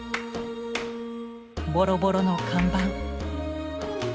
ボロボロの看板。